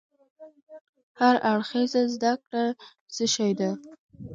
هر اړخيزه زده کړه څه شی ده؟